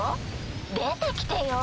出てきてよ。